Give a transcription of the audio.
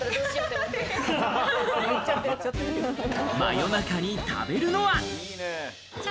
夜中に食べるのは？